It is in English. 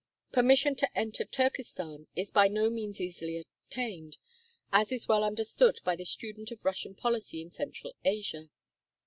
Permission to enter Turkestan is by no means easily obtained, as is well understood by the student of Russian policy in central Asia.